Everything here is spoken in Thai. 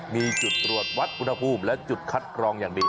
มีจุดตรวจวัดอุณหภูมิและจุดคัดกรองอย่างดี